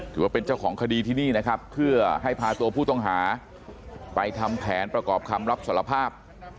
เจ้าของคดีที่นี่นะครับเพื่อให้พาตัวผู้ต้องหาไปทำแผนประกอบคำรับสารภาพ